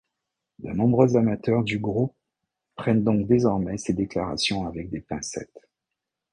De nombreux amateurs du groupe prennent donc désormais ses déclarations avec des pincettes.